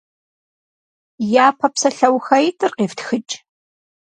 Япэ псалъэухаитӀыр къифтхыкӀ.